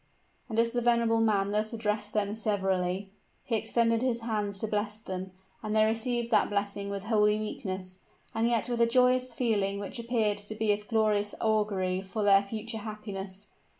And as the venerable man thus addressed them severally, he extended his hands to bless them; and they received that blessing with holy meekness, and yet with a joyous feeling which appeared to be of glorious augury for their future happiness.